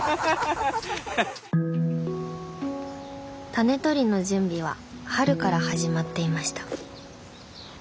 タネとりの準備は春から始まっていました。